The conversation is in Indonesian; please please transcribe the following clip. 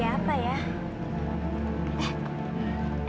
orang yang bisa gantiin dia